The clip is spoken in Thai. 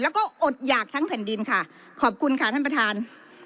แล้วก็อดหยากทั้งแผ่นดินค่ะขอบคุณค่ะท่านประธาน